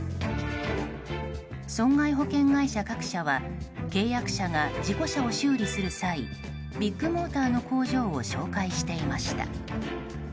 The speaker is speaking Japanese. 損害保険会社各社は契約者が事故車を修理する際ビッグモーターの工場を紹介していました。